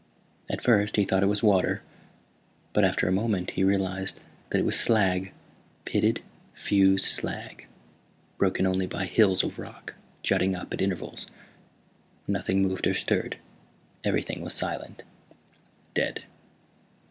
At first he thought it was water but after a moment he realized that it was slag, pitted, fused slag, broken only by hills of rock jutting up at intervals. Nothing moved or stirred. Everything was silent, dead.